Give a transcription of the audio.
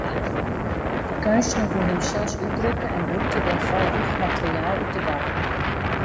De keunstner woe himsels útdrukke en brûkte dêrfoar rûch materiaal út de bou.